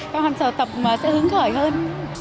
các con sẽ tập hướng khởi hơn